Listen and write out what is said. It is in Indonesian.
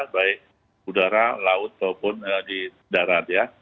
baik udara laut ataupun di darat